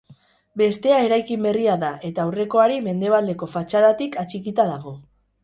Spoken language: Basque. Bestea eraikin berria da eta aurrekoari mendebaldeko fatxadatik atxikita dago.